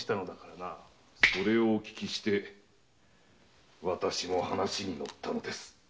それをお聞きして私も話に乗ったのです。